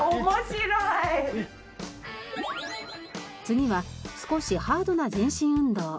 次は少しハードな全身運動。